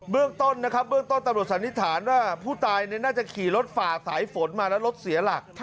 เรื่องต้นนะครับเบื้องต้นตำรวจสันนิษฐานว่าผู้ตายน่าจะขี่รถฝ่าสายฝนมาแล้วรถเสียหลัก